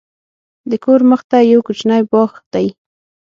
د کور مخته یو کوچنی باغ دی.